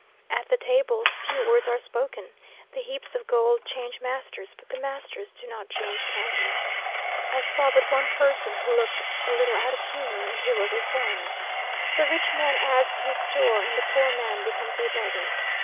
At the tables, few words are spoken. The heaps of gold change masters; but the masters do not change countenance. I saw but one person who looked a little out of humour, and he was a foreigner. The rich man adds to his store, and the poor man becomes a beggar.